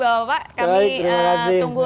terima kasih juga pak kami tunggu